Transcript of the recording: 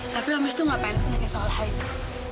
tapi om rizku ngapain senengnya soal hal itu